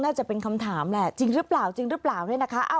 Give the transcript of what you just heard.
จะเป็นคำถามแหละจริงหรือเปล่าจริงหรือเปล่าเนี่ยนะคะ